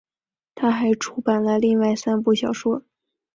她还出版了另外三部小说。